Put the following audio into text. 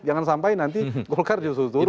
jangan sampai nanti golkar justru turun